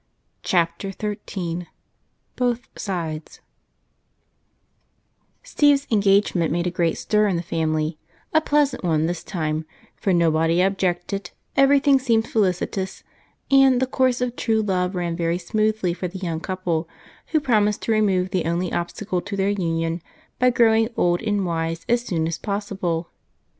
Chapter 13 BOTH SIDES Steve's engagement made a great stir in the family a pleasant one this time, for nobody objected, everything seemed felicitous, and the course of true love ran very smoothly for the young couple, who promised to remove the only obstacle to their union by growing old and wise as soon as possible.